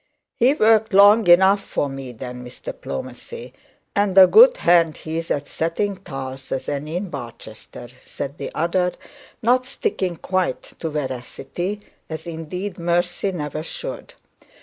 'He worked long enough for me, then Mr Plomacy. And a good hand he is at setting tiles as any in Barchester,' said the other, not sticking quite to veracity, as indeed mercy never should.